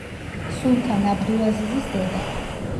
სულთან აბდულაზიზის დედა.